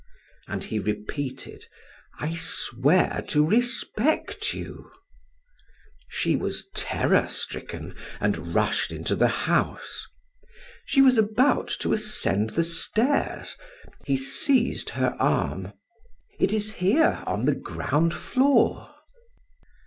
And he repeated, "I swear to respect you." She was terror stricken and rushed into the house. She was about to ascend the stairs. He seized her arm: "It is here, on the ground floor."